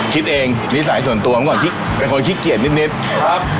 คิดเองนิสัยส่วนตัวเมื่อก่อนคิดเป็นคนขี้เกียจนิดครับ